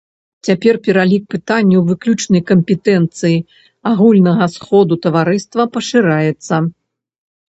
Цяпер пералік пытанняў выключнай кампетэнцыі агульнага сходу таварыства пашыраецца.